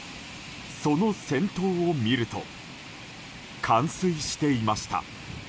その先頭を見ると冠水していました。